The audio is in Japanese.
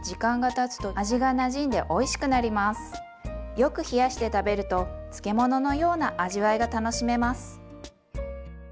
よく冷やして食べると漬物のような味わいが楽しめます。